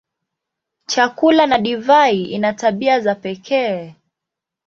Chakula na divai ina tabia za pekee.